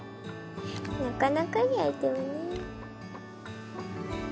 なかなかいいアイテムね。